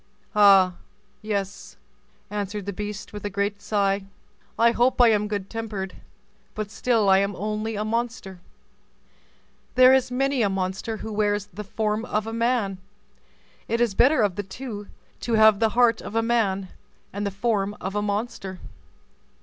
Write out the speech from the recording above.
"Ah! yes," answered the beast, with a great sigh; "I hope I am good tempered, but still I am only a monster." "There is many a monster who wears the form of a man; it is better of the two to have the heart of a man and the form of a monster."